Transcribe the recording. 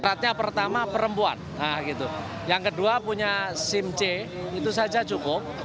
kekaratnya pertama perempuan yang kedua punya simc itu saja cukup